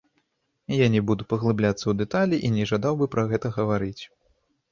Я не буду паглыбляцца ў дэталі і не жадаў бы пра гэта гаварыць.